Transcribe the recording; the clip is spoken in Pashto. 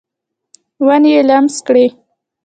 ونې یې لمس کړي